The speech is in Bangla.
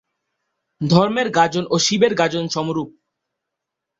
ধর্মের গাজন ও শিবের গাজন সমরূপ।